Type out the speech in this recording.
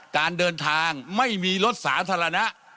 การเดินทางไม่มีรถสาธารณะ